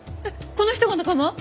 この人が仲間？